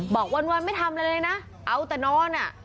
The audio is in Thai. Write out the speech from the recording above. บอกวันไม่ทำอะไรเลยนะเอาแต่นอนอ่ะ